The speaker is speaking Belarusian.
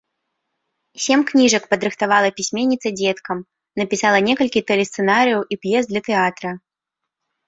Сем кніжак падрыхтавала пісьменніца дзеткам, напісала некалькі тэлесцэнарыяў і п'ес для тэатра.